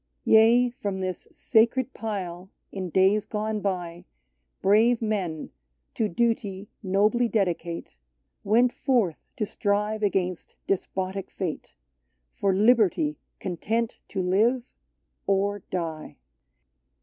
David's Yea ; from this sacred pile, in days gone by, Brave men, to duty nobly dedicate, Went forth to strive against despotic fate — For liberty content to live — or die.